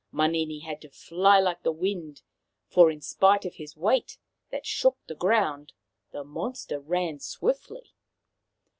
Manini had to fly like the wind, for, in spite of his weight, that shook the ground, the monster ran swiftly.